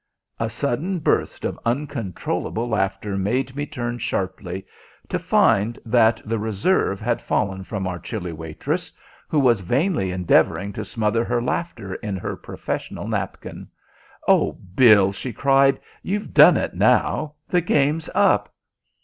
A sudden burst of uncontrollable laughter made me turn sharply, to find that the reserve had fallen from our chilly waitress, who was vainly endeavouring to smother her laughter in her professional napkin. "Oh, Bill!" she cried, "you've done it now. The game's up."